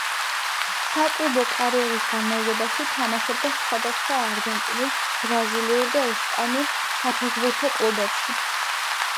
საკლუბო კარიერის განმავლობაში თამაშობდა სხვადასხვა არგენტინულ, ბრაზილიურ და ესპანურ საფეხბურთო კლუბებში.